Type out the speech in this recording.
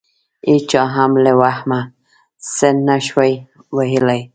هېچا هم له وهمه څه نه شوای ویلای.